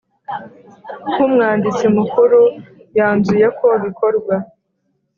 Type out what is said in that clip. nk Umwanditsi Mukuru yanzuye ko bikorwa